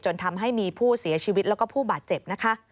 จนทำให้มีผู้เสียชีวิตและผู้บาดเจ็บ